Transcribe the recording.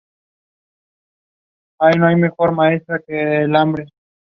Los jueces estaban obligados a usar barba larga y a no hacer visitas.